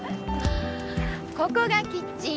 ここがキッチン。